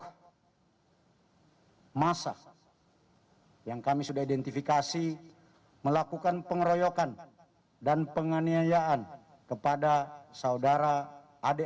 hai masa yang kami sudah identifikasi melakukan pengeroyokan dan penganiayaan kepada saudara ade